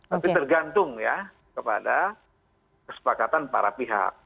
tapi tergantung ya kepada kesepakatan para pihak